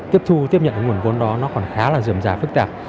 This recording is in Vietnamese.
tiếp thu tiếp nhận cái nguồn vốn đó nó còn khá là dườm già phức tạp